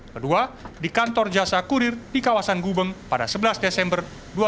kedua di kantor jasa kurir di kawasan gubeng pada sebelas desember dua ribu dua puluh